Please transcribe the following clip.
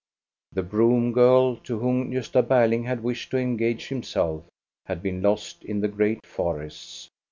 The broom girl, to whom Gosta Ber ling had wished to engage himself, had been lost in the great forests.